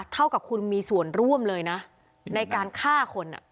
เท่ากับคุณมีส่วนร่วมเลยนะในการฆ่าคน